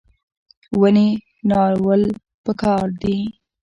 ونې نالول پکار دي